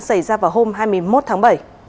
xảy ra vào hôm hai mươi một tháng bảy